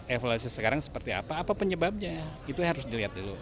evaluasi sekarang seperti apa apa penyebabnya itu harus dilihat dulu